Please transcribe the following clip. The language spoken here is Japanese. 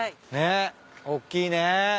ねっおっきいね。